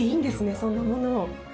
そんなものを。